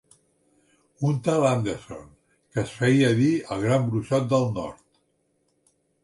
Un tal Anderson, que es feia dir el Gran Bruixot del Nord.